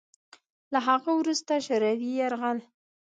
له هغه وروسته شوروي یرغل